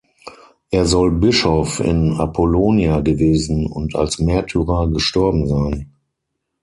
Er soll Bischof in Apollonia gewesen und als Märtyrer gestorben sein.